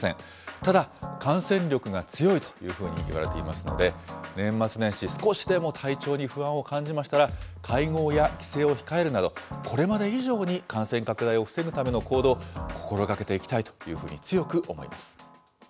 ただ、感染力が強いというふうにいわれていますので、年末年始、少しでも体調に不安を感じましたら、会合や帰省を控えるなど、これまで以上に感染拡大を防ぐための行動を心がけていきたいというふうに強く思います。